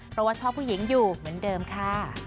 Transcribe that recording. เพราะว่าชอบผู้หญิงอยู่เหมือนเดิมค่ะ